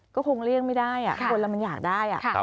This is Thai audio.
ก็คงเลี่ยงไม่ได้คนแล้วมันอยากได้